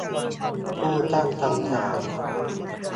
ผู้ตั้งคำถาม